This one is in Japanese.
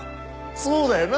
そうだよな！